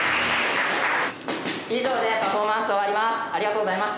以上でパフォーマンスを終わります。